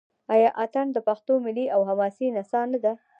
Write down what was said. آیا اټن د پښتنو ملي او حماسي نڅا نه ده؟